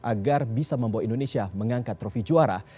agar bisa membawa indonesia mengangkat trofi juara